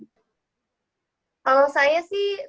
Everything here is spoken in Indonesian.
ya awal awalnya saya ikut di sanggarnya di bumi arena